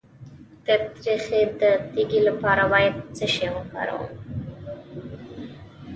د تریخي د تیږې لپاره باید څه شی وکاروم؟